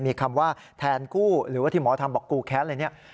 มีคำว่าแทนกู้หรือว่าที่หมอทำบอกกูแค้นอะไรเนี่ย